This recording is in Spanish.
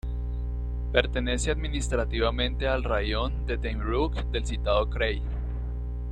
Pertenece administrativamente al raión de Temriuk del citado krai.